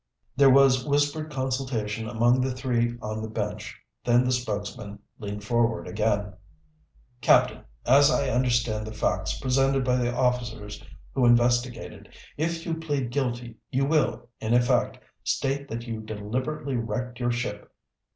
There was whispered consultation among the three on the bench. Then the spokesman leaned forward again. "Captain, as I understand the facts presented by the officers who investigated, if you plead guilty you will, in effect, state that you deliberately wrecked your ship.